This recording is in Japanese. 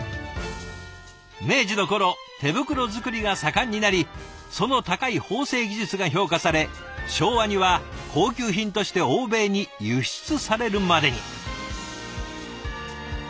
明治の頃手袋作りが盛んになりその高い縫製技術が評価され昭和には高級品として欧米に輸出されるまでに。